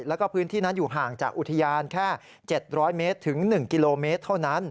แล้วก็พื้นที่นั้นอยู่ห่างจากอุทยานแค่๗๐๐เมตรถึง๑กิโลเมตรเท่านั้น